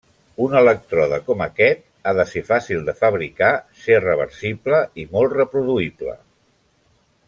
Un elèctrode com aquest ha de ser fàcil de fabricar, ser reversible i molt reproduïble.